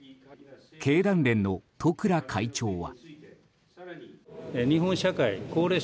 経団連の十倉会長は。